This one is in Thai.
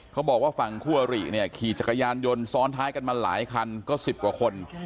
เขาบอกว่าฝั่งคู่อริเนี่ยขี่จักรยานยนต์ซ้อนท้ายกันมาหลายคันก็๑๐กว่าคน